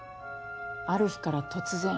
ある日から突然。